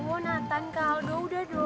oh nathan kaldo udah dong